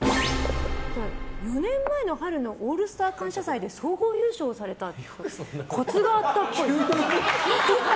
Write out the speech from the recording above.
４年前の春の「オールスター感謝祭」で総合優勝されたコツがあったっぽい。